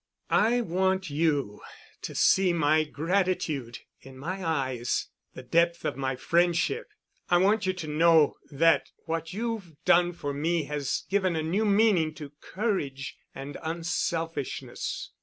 I want you to see my gratitude in my eyes, the depth of my friendship, I want you to know that what you've done for me has given a new meaning to courage and unselfishness."